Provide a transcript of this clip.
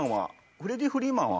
フレディ・フリーマンは。